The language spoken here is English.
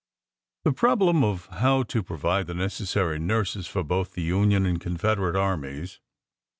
The problem of how to provide the necessary nurses for both the Union and Confederate Armies.